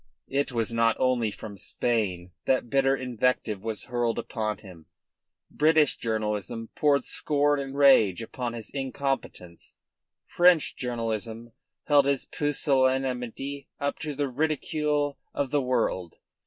It was not only from Spain that bitter invective was hurled upon him; British journalism poured scorn and rage upon his incompetence, French journalism held his pusillanimity up to the ridicule of the world.